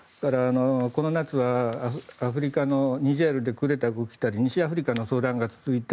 この夏はアフリカのニジェールでクーデターが起きたり西アフリカの紛争が続いた。